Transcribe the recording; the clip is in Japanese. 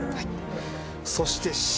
そしてＣ。